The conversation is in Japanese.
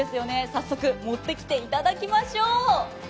早速持ってきていただきましょう。